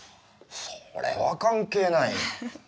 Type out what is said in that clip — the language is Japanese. それは関係ない。